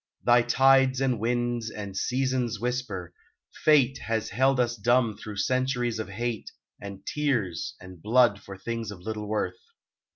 Thy tides and winds and seasons whisper, " Fate Has held us dumb through centuries of hate, And tears, and blood for things of little worth."